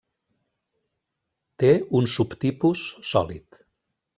Té un subtipus sòlid.